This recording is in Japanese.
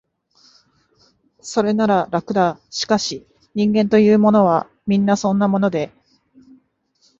それなら、楽だ、しかし、人間というものは、皆そんなもので、